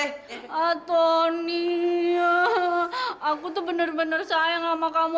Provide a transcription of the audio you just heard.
ah tony aku tuh bener bener sayang sama kamu